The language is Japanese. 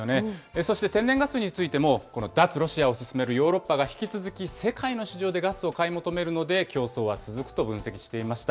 そして天然ガスについても、脱ロシアを進めるヨーロッパが引き続き世界の市場でガスを買い求めるので、競争は続くと分析していました。